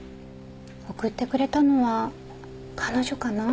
送ってくれたのは彼女かな？